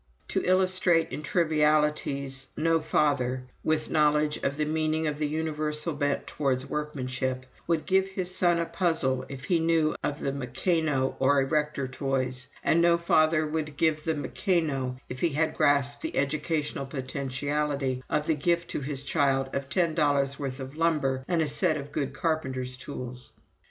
To illustrate in trivialities, no father, with knowledge of the meaning of the universal bent towards workmanship, would give his son a puzzle if he knew of the Mecano or Erector toys, and no father would give the Mecano if he had grasped the educational potentiality of the gift to his child of $10 worth of lumber and a set of good carpenter's tools.